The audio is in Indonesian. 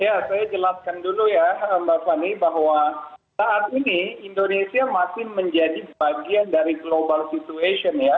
ya saya jelaskan dulu ya mbak fani bahwa saat ini indonesia masih menjadi bagian dari global situation ya